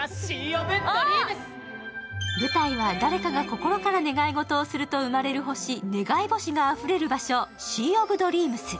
舞台は、誰かが心から願いごとをすると生まれる星、願い星があふれる場所、シー・オブ・ドリームス。